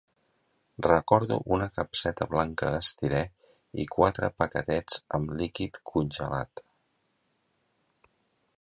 Recordo una capseta blanca d'estirè i quatre paquetets amb líquid congelat.